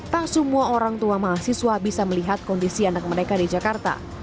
tak semua orang tua mahasiswa bisa melihat kondisi anak mereka di jakarta